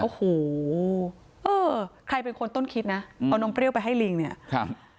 โอ้โหเออใครเป็นคนต้นคิดนะเอานมเปรี้ยวไปให้ลิงเนี่ยครับ